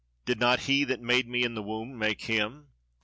Did not he that made me in the womb make him?